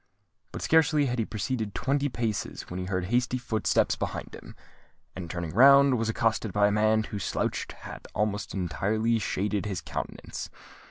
But scarcely had he proceeded twenty paces, when he heard hasty footsteps behind him; and, turning round, was accosted by a man whose slouched hat almost entirely shaded his countenance.